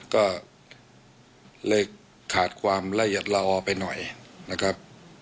ก็เลยขาดความละเอียดละออไปหน่อยนะครับ